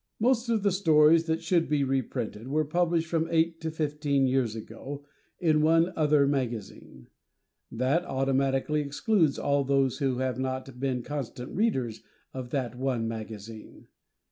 Most of the stories that should be reprinted were published from eight to fifteen years ago, in one other magazine. That automatically excludes all those who have not been constant Readers of that one magazine.